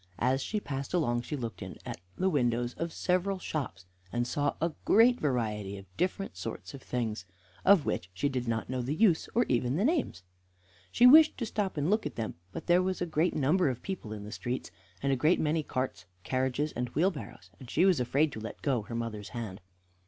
As she passed along she looked in at the windows of several shops, and saw a great variety of different sorts of things, of which she did not know the use, or even the names. She wished to stop to look at them, but there was a great number of people in the streets, and a great many carts, carriages, and wheelbarrows, and she was afraid to let go her mother's hand.